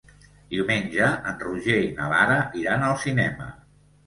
Diumenge en Roger i na Lara iran al cinema.